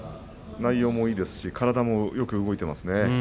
内容もいいですし体もよく動いてますね。